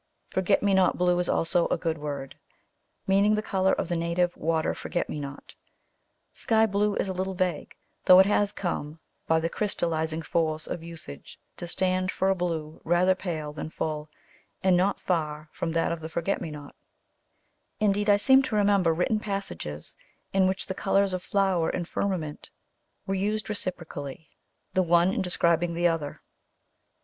Forget me not blue is also a good word, meaning the colour of the native water Forget me not. Sky blue is a little vague, though it has come by the "crystallising" force of usage to stand for a blue rather pale than full, and not far from that of the Forget me not; indeed, I seem to remember written passages in which the colours of flower and firmament were used reciprocally, the one in describing the other.